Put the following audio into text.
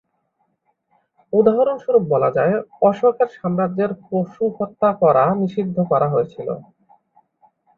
উদাহরণস্বরূপ বলা যায়, অশোকের সাম্রাজ্যের পশুহত্যা করা নিষিদ্ধ করা হয়েছিল।